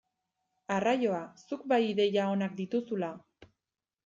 Arraioa, zuk bai ideia onak dituzula!